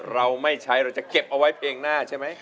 เราไม่ใช้เราจะเก็บเอาไว้เพลงหน้าใช่ไหม